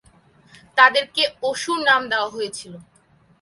তাদেরকে "অসুর" নাম দেওয়া হয়েছিল।